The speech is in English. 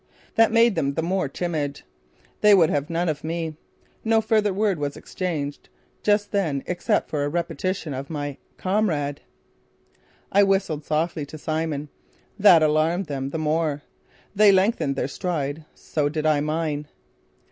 That made them the more timid. They would have none of me. No further word was exchanged just then except for a repetition of my "Kamerad." I whistled softly to Simmons. That alarmed them the more. They lengthened their stride. So did I mine.